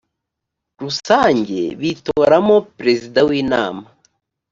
rusange bitoramo prezida w inama